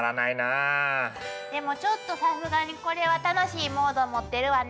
でもちょっとさすがにこれは楽しいモード持ってるわね。